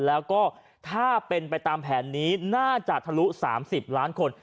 แล้วก็ถ้าเป็นไปตามแผนนี้น่าจะทะลุ๓๐ล้านคน